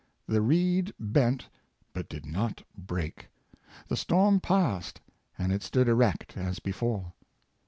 The reed bent, but did not break; the storm passed, and it stood erect as before.